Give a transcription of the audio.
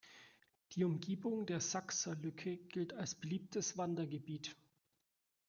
Die Umgebung der Saxer Lücke gilt als beliebtes Wandergebiet.